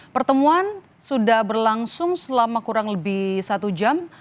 pertemuan sudah berlangsung selama kurang lebih satu jam